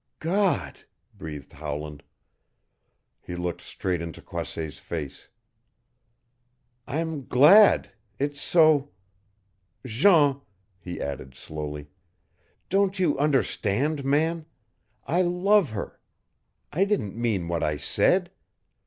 "God!" breathed Howland. He looked straight into Croisset's face. "I'm glad it's so Jean," he added slowly. "Don't you understand, man? I love her. I didn't mean what I said.